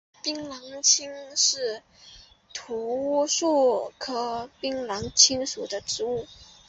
槟榔青是漆树科槟榔青属的植物。